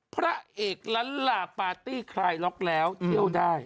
พระเอกล้านลาปาร์ตี้คลายล็อกแล้วเที่ยวได้